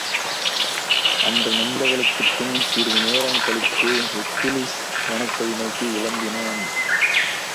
அன்று நண்பகலுக்குப் பின் சிறிது நேரம் கழிந்து, ஹெர்க்குலிஸ் வனத்தை நோக்கிக் இளம்பினான்.